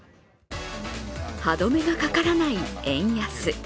歯止めがかからない円安。